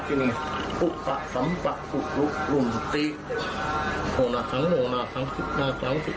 นี่แหละค่ะคือพิธีพิธีลงหน้าหน้าทอง